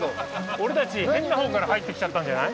俺たち変な方から入ってきちゃったんじゃない？